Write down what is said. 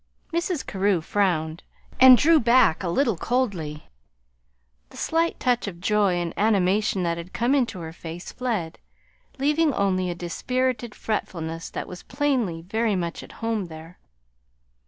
Mrs. Carew frowned and drew back a little coldly. The slight touch of joy and animation that had come into her face fled, leaving only a dispirited fretfulness that was plainly very much at home there.